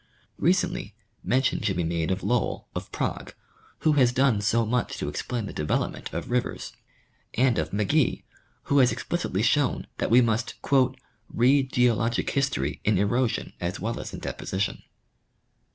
Recently, mention should be made of Lowl, of Prague, who has done so much to explain the development of rivers, and of McGee, who has explicitly shown that we must "read geologic history in erosion as well as in deposition."